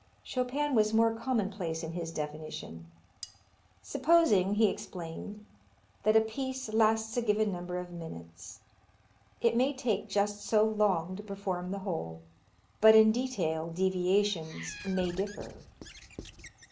Chopin was more commonplace in his definition: "Supposing," he explained, "that a piece lasts a given number of minutes; it may take just so long to perform the whole, but in detail deviations may differ."